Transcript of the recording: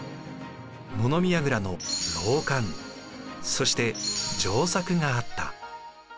物見やぐらの楼観そして城柵があった。